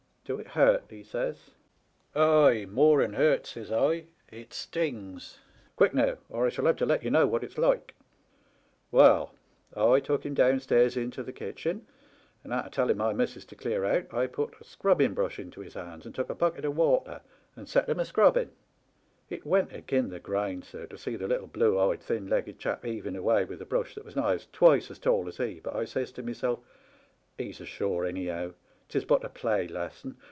"' Do it hurt ?* he says. "' Ay, more'n hurt,' says I, ' it stings. Quick now, or I shall have to let ye know what it*s like.' Well, I took him downstairs into the kitchen, and arter telling my missis to clear out I put a scrubbing brush into his hands and took a bucket o' water and set him a scrubbing. It went agin the grain, sir, to see the little blue eyed, thin legged chap heaving away with a brush that was nigh twice as tall as he, but I says to myself, ' He's ashore anyhow. 'Tis but a play lesson.